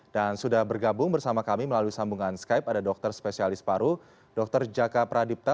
dan sudah bergabung bersama kami melalui sambungan skype ada dokter spesialis paru dr jaka pradipta